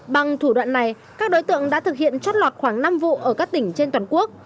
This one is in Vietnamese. bằng thủ đoạn này các đối tượng đã thực hiện trót lọt khoảng năm vụ ở các tỉnh trên toàn quốc